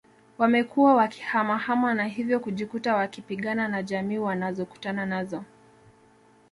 Wamekuwa wakihamahama na hivyo kujikuta wakipigana na jamii wanazokutana nazo